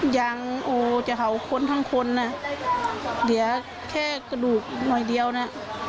ยังโอ้จะเห่าคนทั้งคนนะเหลือแค่กระดูกหน่อยเดียวนะ